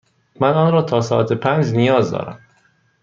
من آن را تا ساعت پنج نیاز دارم.